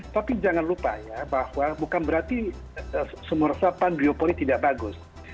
tapi jangan lupa ya bahwa bukan berarti sumur resapan biopoli tidak bagus